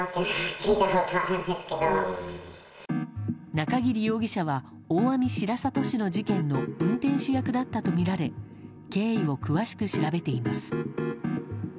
中桐容疑者は大網白里市の事件の運転手役だったとみられ経緯を詳しく調べています。